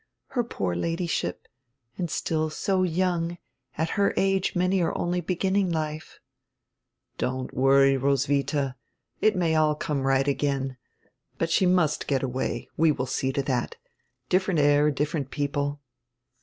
Her poor Ladyship! And still so young; at her age many are only heginninglife." "Don't worry, Roswitha. It may all come right again. But she must get away. We will see to that. Different air, different people."